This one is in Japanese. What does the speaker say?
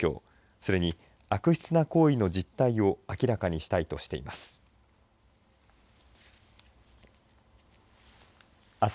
それに悪質な行為の実態を明らかにしたいとしています。